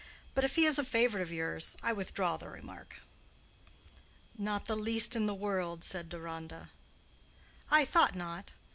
But if he is a favorite of yours, I withdraw the remark." "Not the least in the world," said Deronda. "I thought not.